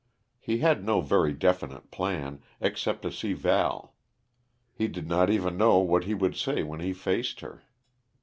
He had no very definite plan, except to see Val. He did not even know what he would say when he faced her.